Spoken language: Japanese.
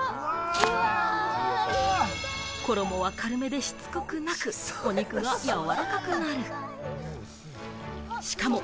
衣は軽めでしつこくなく、お肉がやわらかくなる。